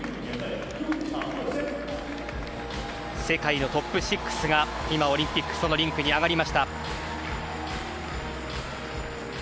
世界のトップ６がオリンピックのリンクに上がりました。